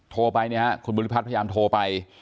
โทรไปเนี่ยฮะคุณบุริพัฒน์พยายามโทรไป